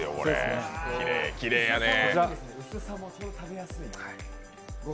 薄さも食べやすい。